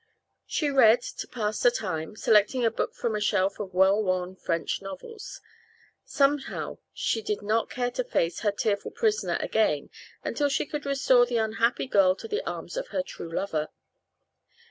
She read, to pass away the time, selecting a book from a shelf of well worn French novels. Somehow she did not care to face her tearful prisoner again until she could restore the unhappy girl to the arms of her true lover.